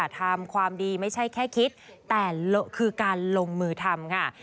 ทำความดีไม่ใช่แค่คิดแต่คือการลงมือทำค่ะ